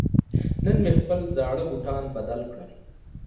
نن مې خپل زاړه بوټان بدل کړل.